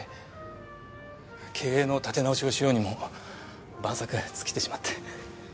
経営の立て直しをしようにも万策尽きてしまって。